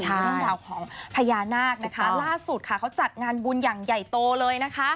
เรื่องราวของพญานาคนะคะล่าสุดค่ะเขาจัดงานบุญอย่างใหญ่โตเลยนะคะ